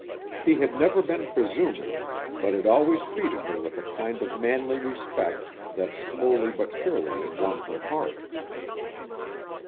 He had never been presuming, but had always treated her with a kind of manly respect that slowly but surely had won her heart.